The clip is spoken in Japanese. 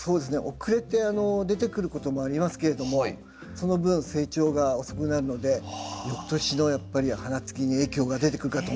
遅れて出てくることもありますけれどもその分成長が遅くなるのでよくとしのやっぱり花つきに影響が出てくるかと思います。